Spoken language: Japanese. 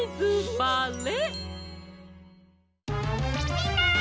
みんな！